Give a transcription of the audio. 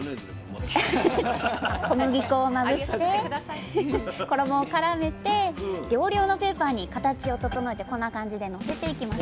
小麦粉をまぶして衣をからめて料理用のペーパーに形を整えてこんな感じでのせていきます。